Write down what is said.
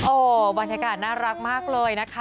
โอ้โหบรรยากาศน่ารักมากเลยนะคะ